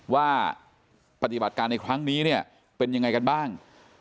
ว่าปฏิบัติการในครั้งนี้เนี่ยเป็นยังไงกันบ้าง